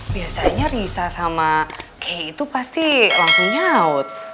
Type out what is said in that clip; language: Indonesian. biasanya risa sama kei itu pasti langsung nyaut